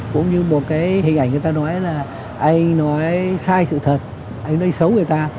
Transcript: cái hình ảnh người ta nói là anh nói sai sự thật anh nói xấu người ta